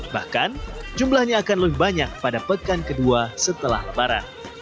bahkan jumlahnya akan lebih banyak pada pekan kedua setelah lebaran